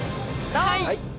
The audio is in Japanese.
はい。